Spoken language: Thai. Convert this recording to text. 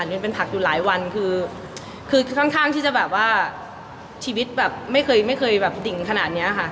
ยังเป็นผักอยู่หลายวันคือค่อนข้างที่จะแบบว่าชีวิตแบบไม่เคยไม่เคยแบบดิ่งขนาดนี้ค่ะ